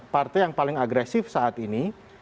partai yang paling agresif saat ini